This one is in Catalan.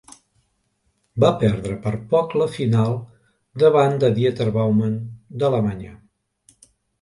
Va perdre per poc la final davant de Dieter Baumann d'Alemanya.